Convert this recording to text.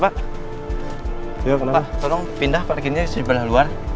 pak tolong pindah parkirnya sebelah luar